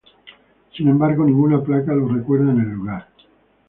Sin embargo, ninguna placa los recuerda en el lugar.